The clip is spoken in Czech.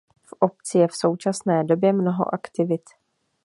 V obci je v současné době mnoho aktivit.